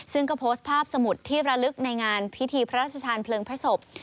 ซึ่งก็โพสต์ภาพสมุดที่ระลึกในงานพิธีพระราชทานเพลิงพระศพ